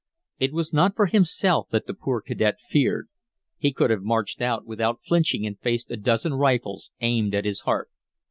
It was not for himself that the poor cadet feared. He could have marched out without flinching and faced a dozen rifles aimed at his heart.